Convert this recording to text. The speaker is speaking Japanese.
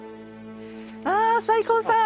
ああ西光さん！